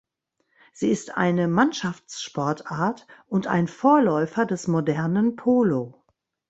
Sie ist eine Mannschaftssportart und ein Vorläufer des modernen Polo.